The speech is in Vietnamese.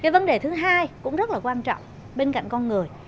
vấn đề thứ hai cũng rất là quan trọng bên cạnh con người